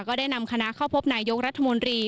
ก็ได้นำคณะเข้าพบนายกรัฐมนตรี